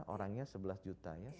orangnya sebelas juta